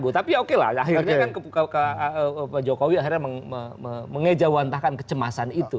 tapi ya oke lah akhirnya pak jokowi mengejawantahkan kecemasan itu